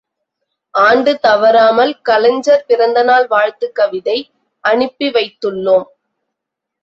ஆண்டு தவறாமல் கலைஞர் பிறந்தநாள் வாழ்த்துக் கவிதை அனுப்பிவைத்துள்ளோம்.